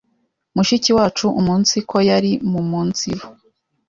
mushiki wacu umunsiko yari muumunsiru